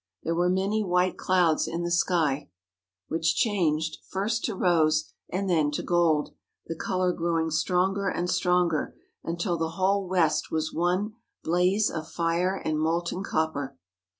There were many white clouds in the sky, which changed, first to rose and then to gold, the colour growing stronger and stronger, until the whole west was one blaze of fire and molten copper.